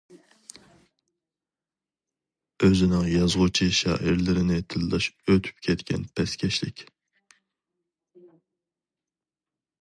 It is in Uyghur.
ئۆزىنىڭ يازغۇچى شائىرلىرىنى تىللاش ئۆتۈپ كەتكەن پەسكەشلىك.